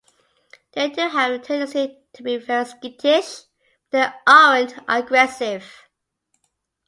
They do have a tendency to be very skittish, but they aren't aggressive.